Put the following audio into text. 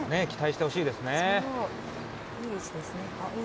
期待してほしいですね。